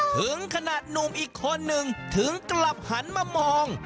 ถึงขนาดหนุ่มอีกคนนึงถึงกลับหันมามอง